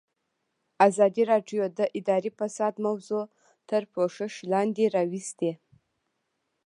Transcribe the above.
ازادي راډیو د اداري فساد موضوع تر پوښښ لاندې راوستې.